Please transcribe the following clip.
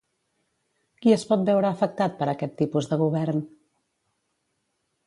Qui es pot veure afectat per aquest tipus de govern?